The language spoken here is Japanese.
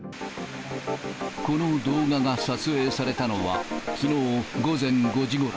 この動画が撮影されたのは、きのう午前５時ごろ。